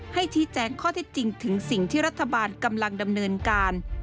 ให้ชี้แจงข้อเท็จจริงถึงสิ่งที่รัฐบาลกำลังดำเนินการ